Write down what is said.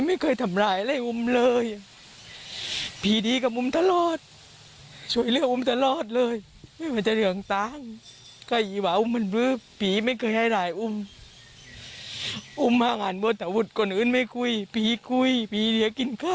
ไม่มีลอยเลยไม่มีลอยไม่มี